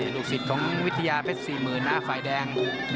ลูกศิษย์ของวิทยาเพชรสี่มือหน้าฝ่ายแดง